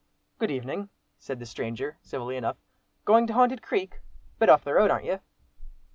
"Good evening!" said the stranger, civilly enough. "Going to 'Haunted Creek?'—a bit off the road, ar'n't you?"